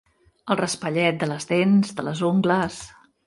El raspallet de les dents, de les ungles.